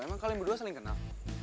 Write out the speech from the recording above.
emang kalian berdua saling kenal